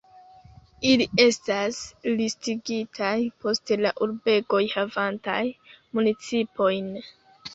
Ili estas listigitaj post la urbegoj havantaj municipojn.